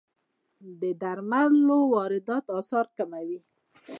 د درملو واردات اسعار کموي.